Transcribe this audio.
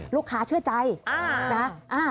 ลูกค้าเชื่อใจนะ